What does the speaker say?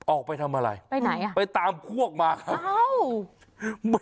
ออกไปทำอะไรไปตามพวกมาครับอ้าว